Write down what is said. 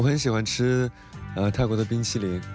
ชื่อว่าเอิ้นด่าพาวจู๊